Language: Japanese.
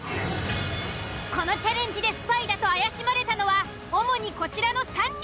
このチャレンジでスパイだと怪しまれたのは主にこちらの３人。